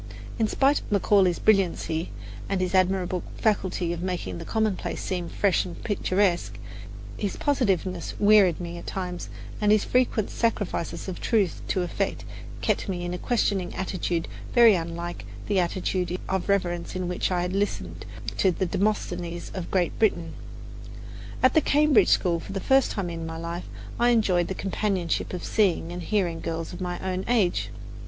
But in spite of Macaulay's brilliancy and his admirable faculty of making the commonplace seem fresh and picturesque, his positiveness wearied me at times, and his frequent sacrifices of truth to effect kept me in a questioning attitude very unlike the attitude of reverence in which I had listened to the Demosthenes of Great Britain. At the Cambridge school, for the first time in my life, I enjoyed the companionship of seeing and hearing girls of my own age.